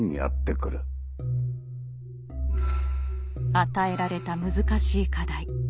与えられた難しい課題。